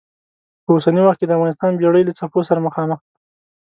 په اوسني وخت کې د افغانستان بېړۍ له څپو سره مخامخ ده.